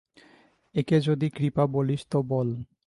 একে যদি কৃপা বলিস তো বল।